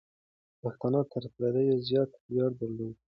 پښتانه تر پردیو زیات ویاړ درلود.